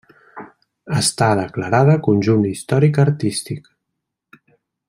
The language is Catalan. Està declarada Conjunt Històric Artístic.